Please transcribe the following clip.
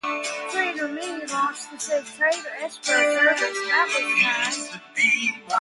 Trade Me launched the Safe Trader escrow service about this time.